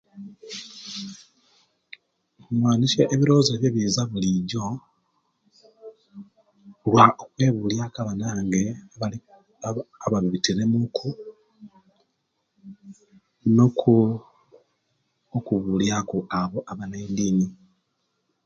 Ndwanisya ebilowozo ebyo ebiza buli jjo no'kwebilyaku abananga aba'bibitiremuku no'kubulyaku abo aba'na'idini